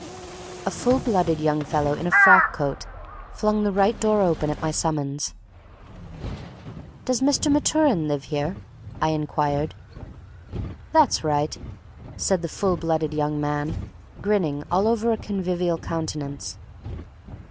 A full blooded young fellow in a frock coat flung the right door open at my summons. "Does Mr. Maturin live here?" I inquired. "That's right," said the full blooded young man, grinning all over a convivial countenance.